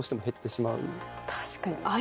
確かに。